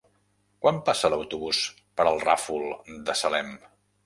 Quan passa l'autobús per el Ràfol de Salem?